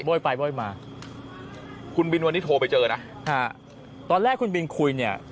ไปบ้อยมาคุณบินวันนี้โทรไปเจอนะค่ะตอนแรกคุณบินคุยเนี่ย